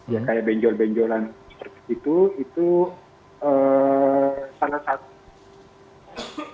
ya kayak benjol benjolan seperti itu itu salah satu